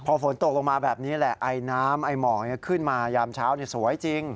พอฝนตกลงมาแบบนี้แหละไอน้ำไอ้หมอกขึ้นมายามเช้าสวยจริง